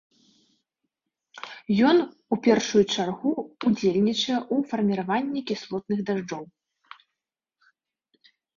Ён, у першую чаргу, удзельнічае ў фарміраванні кіслотных дажджоў.